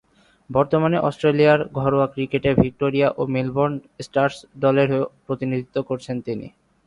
বর্তমানে অস্ট্রেলিয়ার ঘরোয়া ক্রিকেটে ভিক্টোরিয়া ও মেলবোর্ন স্টার্স দলেরও প্রতিনিধিত্ব করছেন তিনি।